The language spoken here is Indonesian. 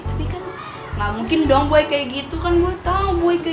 tapi kan gue udah bilang ya kan gue udah bilang